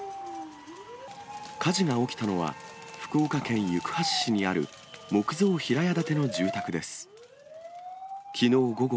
火事が起きたのは、福岡県行橋市にある木造平屋建ての住宅です。